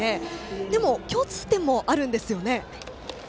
でも、共通点もあるんですよね。